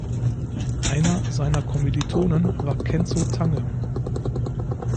Einer seiner Kommilitonen war Kenzo Tange.